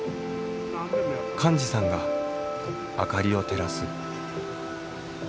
寛司さんが明かりを照らす。